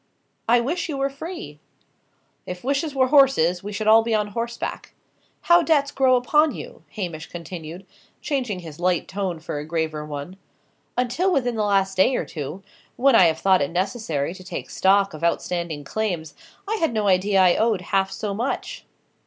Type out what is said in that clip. "I wish you were free!" "If wishes were horses, we should all be on horseback. How debts grow upon you!" Hamish continued, changing his light tone for a graver one. "Until within the last day or two, when I have thought it necessary to take stock of outstanding claims, I had no idea I owed half so much."